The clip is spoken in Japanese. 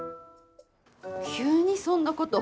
急にそんなこと。